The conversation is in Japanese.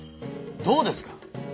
どうですか？